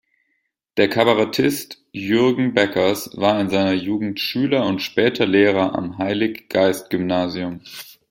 Der Kabarettist Jürgen Beckers war in seiner Jugend Schüler und später Lehrer am Heilig-Geist-Gymnasium.